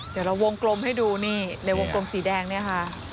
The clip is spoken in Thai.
เดี๋ยวเราวงกลมให้ดูนี่ในวงกลมสีแดงเนี่ยค่ะ